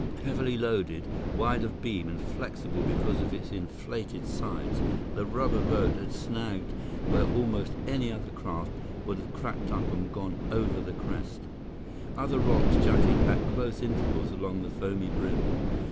Heavily loaded, wide of beam and flexible because of its inflated sides, the rubber boat had snagged where almost any other craft would have cracked up and gone over the crest. Other low rocks jutted at close intervals along the foamy brim.